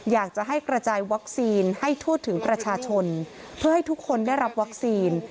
อยากจะให้กระจายวัคซีนให้ทั่วถึงประชาชนเพื่อให้ทุกคนได้รับวัคซีน